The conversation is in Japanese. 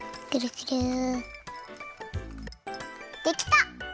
できた！